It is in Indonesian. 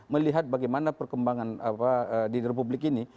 melihat bagaimana perkembangan di republik ini